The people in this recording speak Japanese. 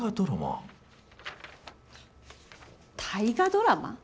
大河ドラマ？